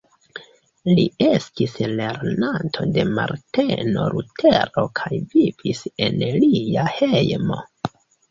Li estis lernanto de Marteno Lutero kaj vivis en lia hejmo.